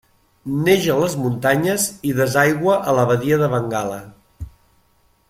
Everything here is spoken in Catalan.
Neix a les muntanyes i desaigua a la badia de Bengala.